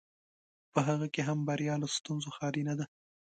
په هغه کې هم بریا له ستونزو خالي نه ده.